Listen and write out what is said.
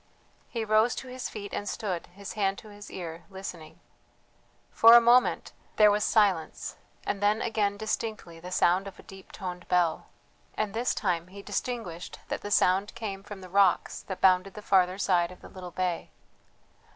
He rose to his feet and stood, his hand to his ear, listening. For a moment there was silence, and then again distinctly the sound of a deep toned bell and this time he distinguished that the sound came from the rocks that bounded the farther side of the little bay.